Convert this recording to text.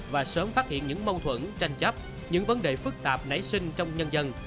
và sớm phát hiện những mâu thuẫn tranh chấp những vấn đề phức tạp nảy sinh trong nhân dân